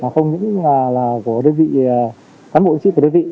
không những là của đối vị cán bộ chiến sĩ